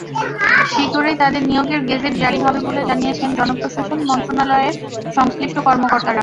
শিগগিরই তাঁদের নিয়োগের গেজেট জারি হবে বলে জানিয়েছেন জনপ্রশাসন মন্ত্রণালয়ের সংশ্লিষ্ট কর্মকর্তারা।